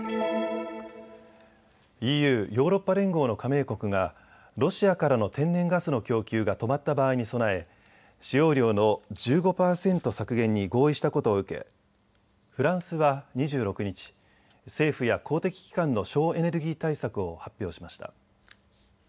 ＥＵ・ヨーロッパ連合の加盟国がロシアからの天然ガスの供給が止まった場合に備え使用量の１５％削減に合意したことを受けフランスは２６日、政府や公的機関の省エネルギー対策を発表しました。